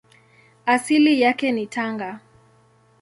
Asili yake ni Tanga.